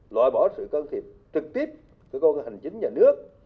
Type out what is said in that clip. loại bỏ sự cân thiện trực tiếp của cơ quan hành chính nhà nước